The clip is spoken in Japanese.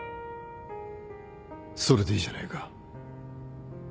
それでいいじゃないか。